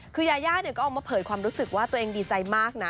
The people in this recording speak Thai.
คือยายาก็ออกมาเผยความรู้สึกว่าตัวเองดีใจมากนะ